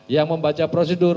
yang membaca prosedur